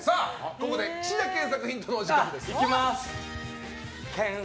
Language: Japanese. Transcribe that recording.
ここで岸田健作ヒントのお時間です。